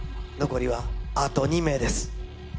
残りはあと２名です。